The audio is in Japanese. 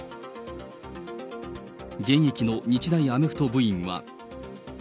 現役の日大アメフト部員は。